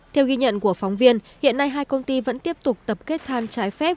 theo ghi nhận của phóng viên hiện nay hai công ty vẫn tiếp tục tập kết than trái phép